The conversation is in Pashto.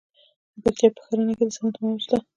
د پکتیکا په ښرنه کې د سمنټو مواد شته.